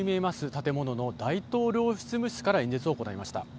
建物の大統領執務室から演説を行いました。